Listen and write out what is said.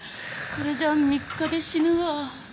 これじゃあ３日で死ぬわ。